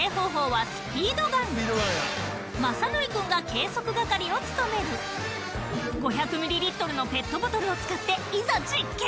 はいを務める５００ミリリットルのペットボトルを使っていざ実験！